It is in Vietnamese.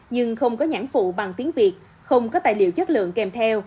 nhưng không có nhãn phụ bằng tiếng việt không có tài liệu chất lượng kèm theo